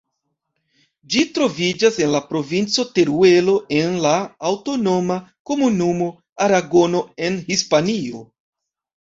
Ĝi troviĝas en la provinco Teruelo, en la aŭtonoma komunumo Aragono, en Hispanio.